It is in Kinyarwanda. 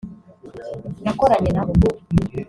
nakoranye nabo